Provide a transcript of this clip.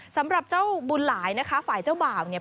สำหรับเจ้าบุญหลายนะคะฝ่ายเจ้าบ่าวเนี่ย